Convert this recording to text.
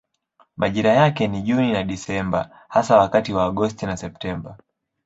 Majira yake ni Juni na Desemba hasa wakati wa Agosti na Septemba.